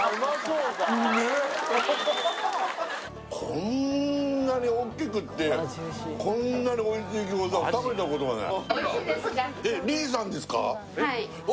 こんなに大きくって、こんなにおいしいギョーザ食べたことない。